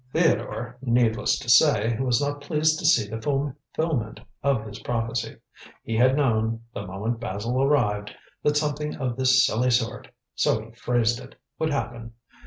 Theodore, needless to say, was not pleased to see the fulfilment of his prophecy. He had known, the moment Basil arrived, that something of this silly sort so he phrased it would happen.